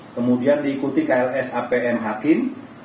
kemudian diikuti kls apm hakim